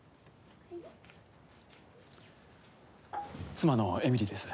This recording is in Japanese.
妻の江美里です。